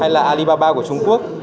hay là alibaba của trung quốc